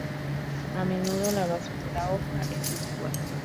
A menudo la base de la hoja es desigual.